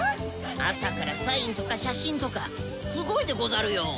朝からサインとか写真とかすごいでござるよ。